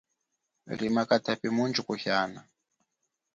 Lima katapi mundji kuhiana.